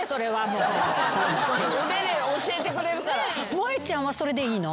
萌ちゃんはそれでいいの？